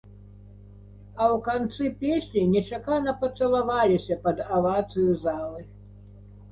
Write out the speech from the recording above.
А ў канцы песні нечакана пацалаваліся пад авацыю залы.